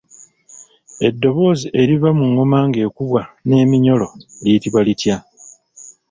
Eddoboozi eriva mu ngoma ng'ekubwa n'eminyolo liyitibwa litya?